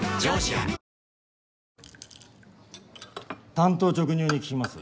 単刀直入に聞きます。